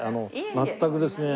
全くですね